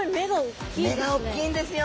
目がおっきいんですよ。